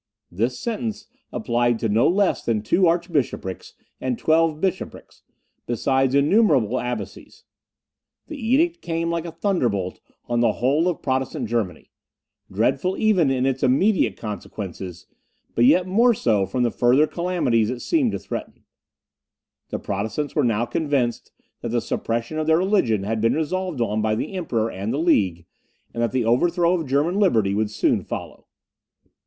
This sentence applied to no less than two archbishoprics and twelve bishoprics, besides innumerable abbacies. The edict came like a thunderbolt on the whole of Protestant Germany; dreadful even in its immediate consequences; but yet more so from the further calamities it seemed to threaten. The Protestants were now convinced that the suppression of their religion had been resolved on by the Emperor and the League, and that the overthrow of German liberty would soon follow.